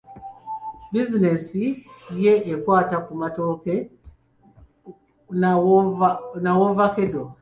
Bizinensi ye ekwata ku matooke na woovakkedo.